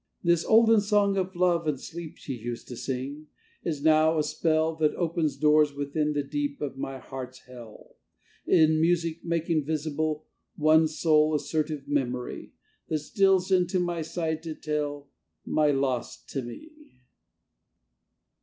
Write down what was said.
This olden song of love and sleep, She used to sing, is now a spell That opens doors within the deep Of my heart's hell, In music making visible One soul assertive memory, That steals unto my side to tell My loss to me.